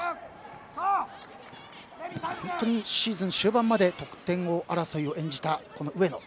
本当にシーズン終盤まで得点争いを演じた上野。